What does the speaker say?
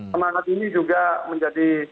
semangat ini juga menjadi